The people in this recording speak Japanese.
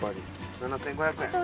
７，５００円。